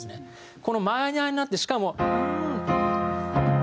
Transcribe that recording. このマイナーになってしかも。